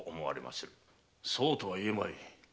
そうとは言えまい。